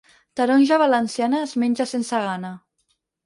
Taronja valenciana es menja sense gana.